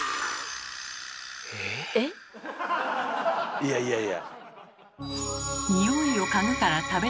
いやいやいや。